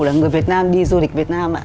là người việt nam đi du lịch việt nam